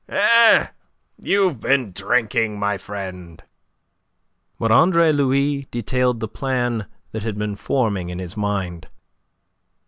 "Eh? You've been drinking, my friend." But Andre Louis detailed the plan that had been forming in his mind.